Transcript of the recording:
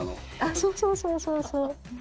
そうそうそうそうそう。